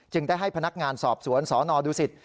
จึงได้ให้พนักงานสอบสวนสนดูศิษฐ์